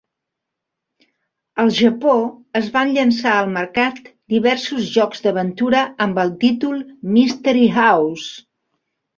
Al Japó es van llançar al mercat diversos jocs d'aventura amb el títol Mystery House.